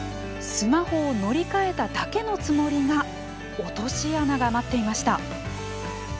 スマホを乗り換えただけのつもりが落とし穴が待っていました。